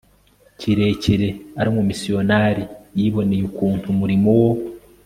kirekire ari umumisiyonari yiboneye ukuntu umurimo wo